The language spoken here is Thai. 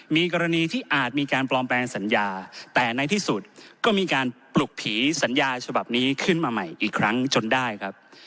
มีกรณีที่อาจมีการปลอมแปลงสัญญาแต่ในที่สุดก็มีการปลุกผีสัญญาฉบับนี้ขึ้นมาใหม่อีกครั้งจนได้ครับ